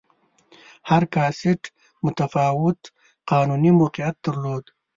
هر کاسټ متفاوت قانوني موقعیت درلود.